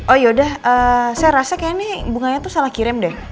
oh yaudah saya rasa kayaknya nih bunganya tuh salah kirim deh